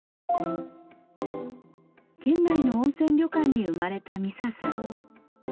県内の温泉旅館に生まれた美佐さん。